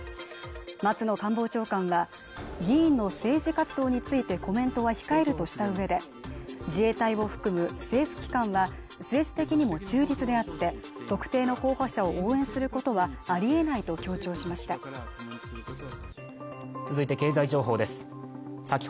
松野官房長官は議員の政治活動についてコメントは控えるとしたうえで自衛隊を含む政府機関は政治的にも中立であって特定の候補者を応援することはありえないと強調しましたわ！